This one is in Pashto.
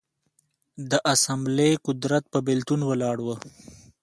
د اسامبلې قدرت پر بېلتون ولاړ و